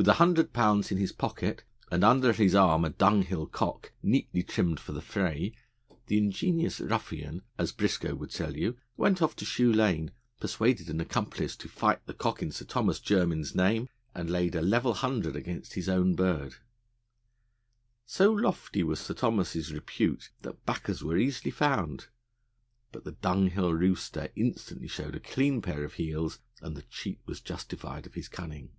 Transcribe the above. With a hundred pounds in his pocket and under his arm a dunghill cock, neatly trimmed for the fray, the ingenious ruffian, as Briscoe would tell you, went off to Shoe Lane, persuaded an accomplice to fight the cock in Sir Thomas Jermin's name, and laid a level hundred against his own bird. So lofty was Sir Thomas's repute that backers were easily found, but the dunghill rooster instantly showed a clean pair of heels, and the cheat was justified of his cunning.